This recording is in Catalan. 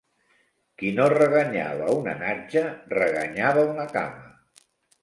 Qui no reganyava una natja reganyava una cama.